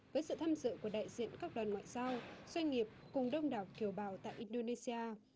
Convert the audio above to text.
với sự tham dự của đại diện các đoàn ngoại giao doanh nghiệp cùng đông đảo kiều bào tại indonesia